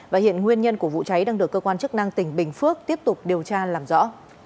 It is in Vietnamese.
và hiện nguyên nhân của vụ cháy đang được cơ quan chức năng tỉnh bình phước tiếp tục điều tra làm rõ